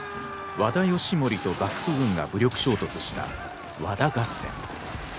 和田義盛と幕府軍が武力衝突した和田合戦。